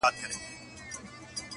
• بې هدفه مسافر یمه روان یم -